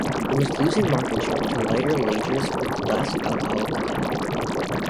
It was losing market share to lighter lagers with less alcohol content.